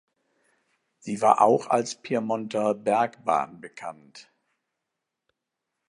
Sie war auch als "Pyrmonter Bergbahn" bekannt.